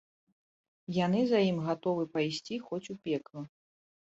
Яны за ім гатовы пайсці хоць у пекла.